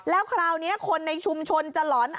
แล้วคราวนี้คนในชุมชนจะหลอน